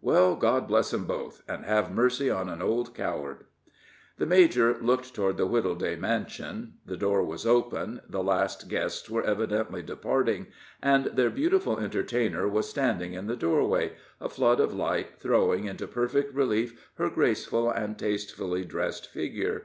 Well, God bless 'em both, and have mercy on an old coward!" The major looked toward the Wittleday mansion. The door was open; the last guests were evidently departing, and their beautiful entertainer was standing in the doorway, a flood of light throwing into perfect relief her graceful and tastefully dressed figure.